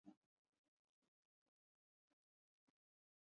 Bulgaria